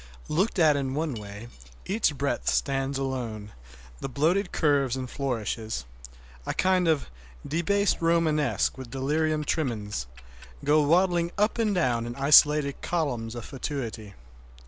Looked at in one way each breadth stands alone, the bloated curves and flourishes—a kind of "debased Romanesque" with delirium tremens—go waddling up and down in isolated columns of fatuity.